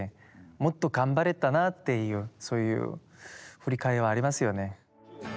もっと頑張れたなっていうそういう振り返りはありますよね。